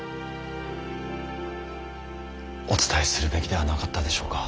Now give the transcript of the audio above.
お伝えするべきではなかったでしょうか。